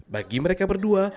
bagi mereka berdua